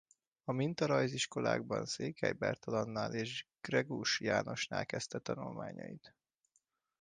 A Mintarajziskolában Székely Bertalannál és Greguss Jánosnál kezdte tanulmányait.